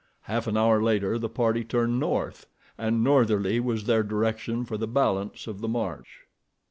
Half an hour later the party turned north, and northerly was their direction for the balance of the march.